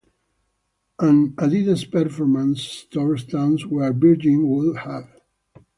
An Adidas Performance store stands where Virgin would have.